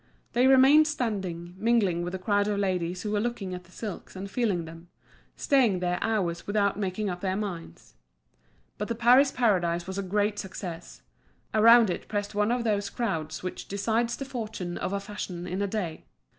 They remained standing, mingling with the crowd of ladies who were looking at the silks and feeling them, staying there hours without making up their minds. But the Paris Paradise was a great success; around it pressed one of those crowds which decides the fortune of a fashion in a day.